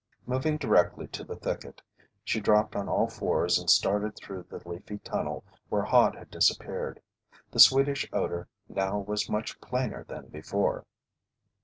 Moving directly to the thicket, she dropped on all fours and started through the leafy tunnel where Hod had disappeared. The sweetish odor now was much plainer than before.